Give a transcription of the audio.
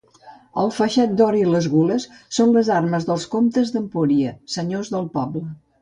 El faixat d'or i de gules són les armes dels comtes d'Empúries, senyors del poble.